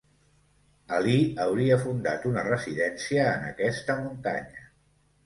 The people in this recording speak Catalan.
Alí hauria fundat una residència en aquesta muntanya.